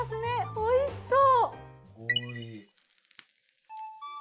おいしそう。